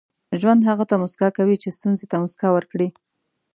• ژوند هغه ته موسکا کوي چې ستونزې ته موسکا ورکړي.